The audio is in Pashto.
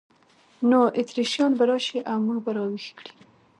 نو اتریشیان به راشي او موږ به را ویښ کړي.